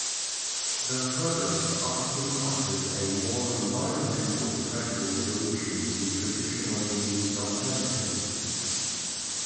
The product often offers a more environmental friendly solution to traditionally used alternatives.